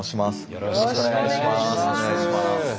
よろしくお願いします。